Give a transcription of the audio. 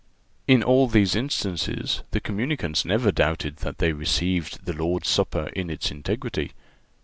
(385) In all these instances the communicants never doubted that they received the Lord's Supper in its integrity.